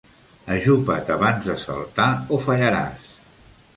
Ajupa't abans de saltar o fallaràs.